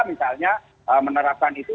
misalnya menerapkan itu